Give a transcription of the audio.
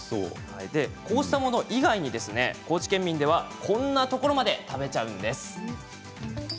こうしたもの以外に高知県民はこんなところまで食べちゃうんです。